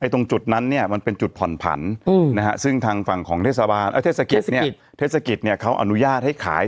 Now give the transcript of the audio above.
ตรงจุดนั้นเนี่ยมันเป็นจุดผ่อนผันซึ่งทางฝั่งของเทศกิจเนี่ยเขาอนุญาตให้ขาย